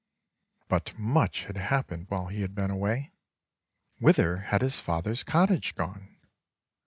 But much had happened while he had been away. Whither had his father's cottage gone?